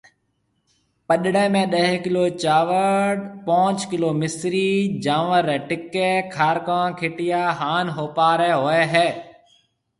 پڏݪيَ ۾ ڏھ ڪلو چاوݪ، پنجھ ڪلو مصرِي، جانور رَي ٽِڪيَ، کارڪون، کِٽيا ھان ھوپارَي ھوئيَ ھيََََ